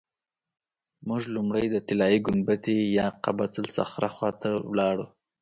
موږ لومړی د طلایي ګنبدې یا قبة الصخره خوا ته ولاړو.